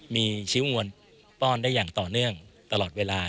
มีคิ้วงวนป้อนได้อย่างต่อเนื่องตลอดเวลา